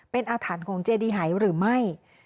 เป็นอาถรรพ์ของเจดีหายหรือไม่